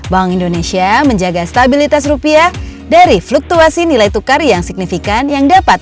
bank indonesia menjaga stabilitas rupiah dari fluktuasi nilai tukar yang signifikan yang dapat